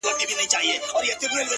د انتظار خبري ډيري ښې دي’